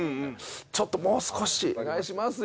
ちょっともう少しお願いしますよ。